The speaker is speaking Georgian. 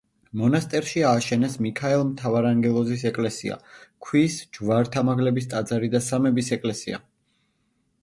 მონასტერში ააშენეს მიქაელ მთავარანგელოზის ეკლესია, ქვის ჯვართამაღლების ტაძარი და სამების ეკლესია.